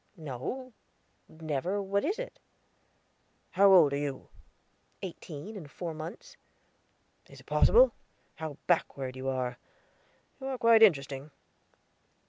"No, never; what is it?" "How old are you?" "Eighteen, and four months." "Is it possible? How backward you are! You are quite interesting."